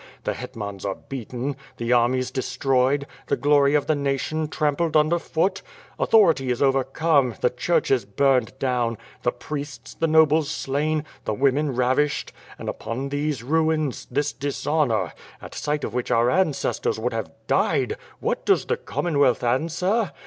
The hetmans are beaten, the armies de stroyed, the glory of the nation trampled underfoot. Author ity is overcome, the churches burned down, the priests, the nobles slain, the women ravished; and upon these ruins, this dishonor, at sight of which our ancestors would have died — what does the Commonwealth answer?